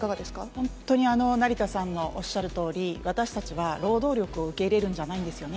本当に、成田さんのおっしゃるとおり、私たちは労働力を受け入れるんじゃないんですよね。